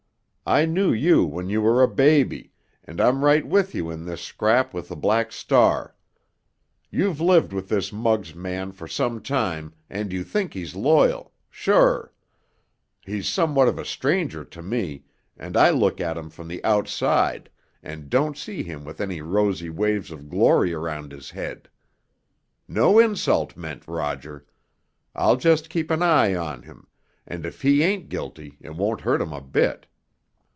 I knew you when you were a baby, and I'm right with you in this scrap with the Black Star. You've lived with this Muggs man for some time, and you think he's loyal—sure! He's somewhat of a stranger to me, and I look at him from the outside, and don't see him with any rosy waves of glory around his head. No insult meant, Roger. I'll just keep an eye on him, and if he ain't guilty it won't hurt him a bit."